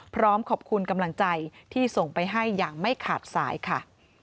พร้อมขอบคุณกำลังใจที่ส่งไปให้อย่างไม่ขาดสายค่ะ